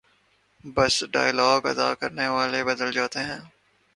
بس ڈائیلاگ ادا کرنے والے بدل جاتے ہیں۔